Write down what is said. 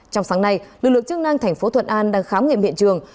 trong sáng nay lực lượng chức năng thành phố thuận an đang khám nghiệm hiện trường